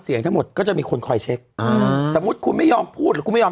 ทั้งหมดก็จะมีคนคอยเช็คอ่าสมมุติคุณไม่ยอมพูดหรือคุณไม่ยอม